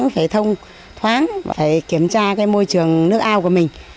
phải thông thoáng phải kiểm tra môi trường nước ao của mình